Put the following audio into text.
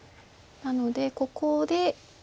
なのでここで。